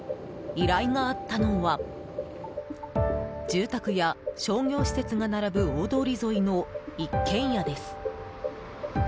依頼があったのは住宅や商業施設が並ぶ大通り沿いの一軒家です。